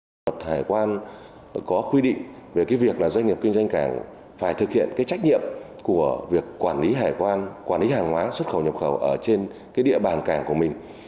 luật hải quan có quy định về cái việc là doanh nghiệp kinh doanh cảng phải thực hiện cái trách nhiệm của việc quản lý hải quan quản lý hàng hóa xuất khẩu nhập khẩu ở trên địa bàn cảng của mình